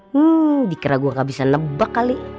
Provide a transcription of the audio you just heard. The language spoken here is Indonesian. hmm dikira gue engga bisa nebak kali